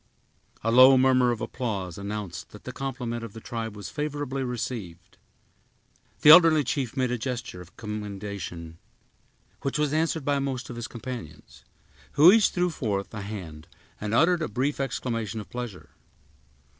A low murmur of applause announced that the compliment of the tribe was favorably received. The elderly chief made a gesture of commendation, which was answered by most of his companions, who each threw forth a hand and uttered a brief exclamation of pleasure.